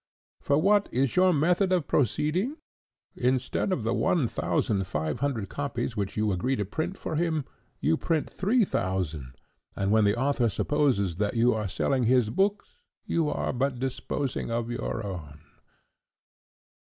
For what is your method of proceeding? Instead of the one thousand five hundred copies which you agree to print for him, you print three thousand; and when the author supposes that you are selling his books, you are but disposing of your own."